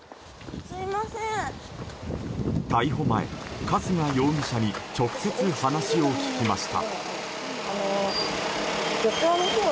逮捕前、春日容疑者に直接話を聞きました。